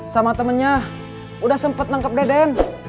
sama temennya udah sempat nangkep deden